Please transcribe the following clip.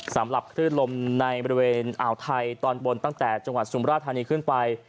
สำหรับคลื่นลมในบริเวณอ่าวไทยตอนบนตั้งแต่จังหวัดสุมราชธานีขึ้นไป